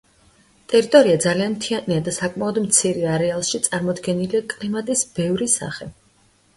ტერიტორია ძალიან მთიანია და საკმაოდ მცირე არეალში წარმოდგენილია კლიმატის ბევრი სახე.